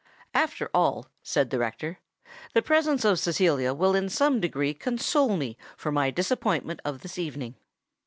"After all," said the rector, "the presence of Cecilia will in some degree console me for my disappointment of this evening!